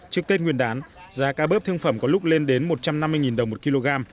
trước tết nguyên đán giá cá bớp thương phẩm có lúc lên đến một trăm năm mươi đồng một kg